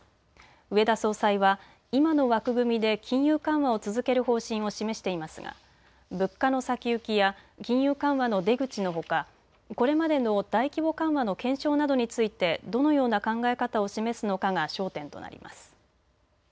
植田総裁は今の枠組みで金融緩和を続ける方針を示していますが物価の先行きや金融緩和の出口のほか、これまでの大規模緩和の検証などについてどのような考え方を示すのかが焦点となります。